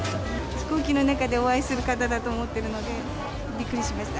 飛行機の中でお会いする方だと思っているので、びっくりしました。